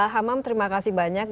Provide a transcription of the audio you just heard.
hamam terima kasih banyak